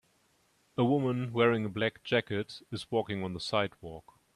A woman wearing a black jacket is walking on a sidewalk